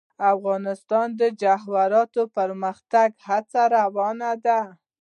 افغانستان کې د جواهرات د پرمختګ هڅې روانې دي.